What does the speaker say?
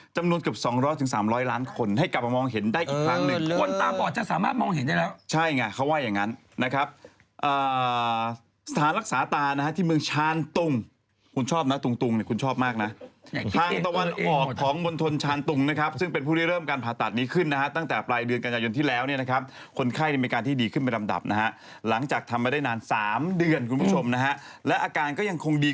จำนวนเกือบ๒๐๐๓๐๐ล้านคนให้กลับมามองเห็นได้อีกครั้งหนึ่ง